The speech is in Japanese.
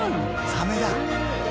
サメだ。